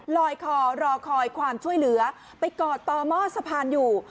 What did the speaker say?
ลอยคอรอคอยความช่วยเหลือไปกอดต่อหม้อสะพานอยู่